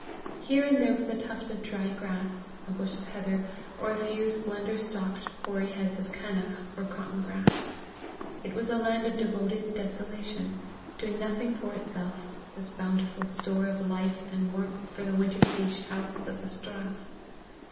Here and there was a tuft of dry grass, a bush of heather, or a few slender stalked, hoary heads of CANNACH or cotton grass; it was a land of devoted desolation, doing nothing for itself, this bountiful store of life and warmth for the winter sieged houses of the strath.